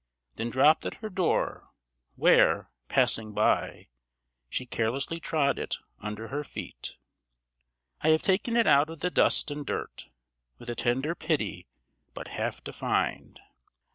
Then dropped at her door, where, passing by, She carelessly trod it under her feet. I have taken it out of the dust and dirt, With a tender pity but half defined.